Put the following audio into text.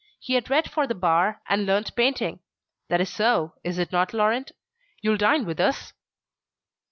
He had read for the bar, and learnt painting. That is so, is it not, Laurent? You'll dine with us?"